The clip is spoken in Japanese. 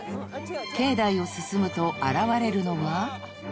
［境内を進むと現れるのが］